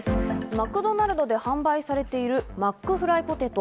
マクドナルドで販売されているマックフライポテト。